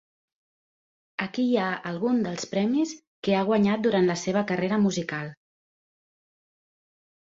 Aquí hi ha alguns dels premis que ha guanyat durant la seva carrera musical.